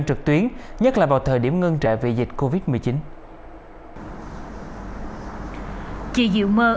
ví dụ như là tập trung bán hàng trên online